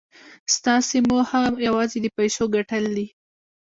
ستاسې موخه یوازې د پیسو ګټل دي